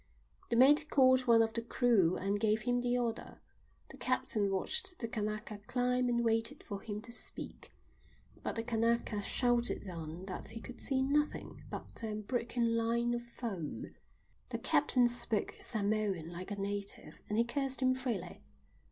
The mate called one of the crew and gave him the order. The captain watched the Kanaka climb and waited for him to speak. But the Kanaka shouted down that he could see nothing but the unbroken line of foam. The captain spoke Samoan like a native, and he cursed him freely.